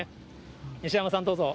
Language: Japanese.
西山さん、どうぞ。